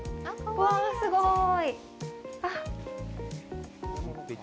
うわっ、すごーい！